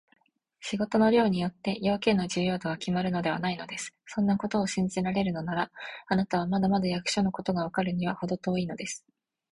仕事の量によって、用件の重要度がきまるのではないのです。そんなことを信じられるなら、あなたはまだまだ役所のことがわかるのにはほど遠いのです。